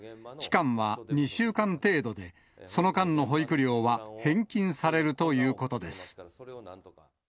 期間は２週間程度で、その間の保育料は返金されるということです。